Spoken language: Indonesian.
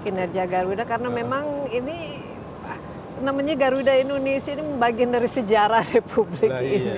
kinerja garuda karena memang ini namanya garuda indonesia ini bagian dari sejarah republik ini